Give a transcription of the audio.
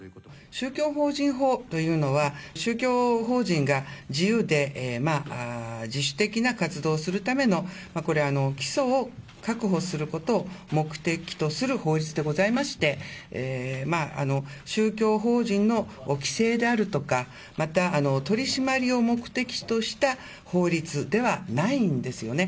宗教法人法というのは、宗教法人が自由で自主的な活動をするための基礎を確保することを目的とする法律でございまして、宗教法人の規制であるとか、また取締りを目的とした法律ではないんですよね。